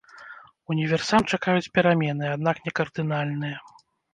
Універсам чакаюць перамены, аднак не кардынальныя.